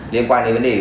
liên quan đến vấn đề